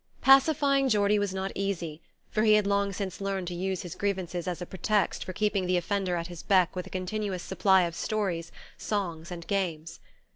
Pacifying Geordie was not easy, for he had long since learned to use his grievances as a pretext for keeping the offender at his beck with a continuous supply of stories, songs and games.